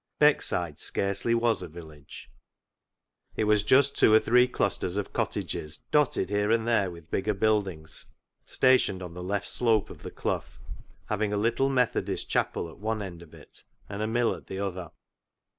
Beckside scarcely was a village ; it was just two or three clusters of cottages, dotted here and there with bigger buildings stationed on the left slope of the clough, having a little Methodist chapel at one end of it and a mill at the other.